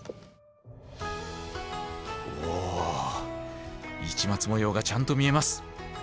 お市松模様がちゃんと見えます。